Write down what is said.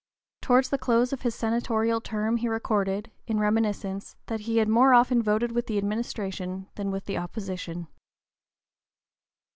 Towards the close of his senatorial term he recorded, in reminiscence, that he had more often voted with the administration than with the opposition.